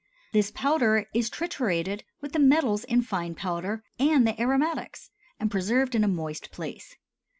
This powder is triturated with the metals in fine powder and the aromatics, and preserved in a moist place.